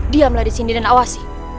diamlah di sini dan awasi